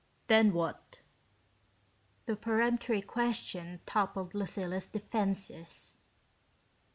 "Then what?" The peremptory question toppled Lucilla's defenses.